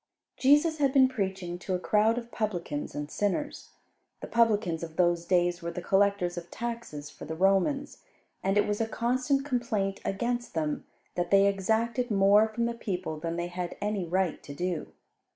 Jesus had been preaching to a crowd of publicans and sinners. The publicans of those days were the collectors of taxes for the Romans, and it was a constant complaint against them that they exacted more from the people than they had any right to do.